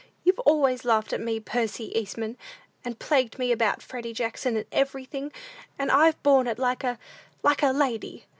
"You've always laughed at me, Percy Eastman, and plagued me about Freddy Jackson, and everything, and I've borne it like a like a lady.